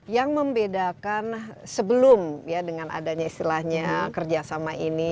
yang membedakan sebelum ya dengan adanya istilahnya kerjasama ini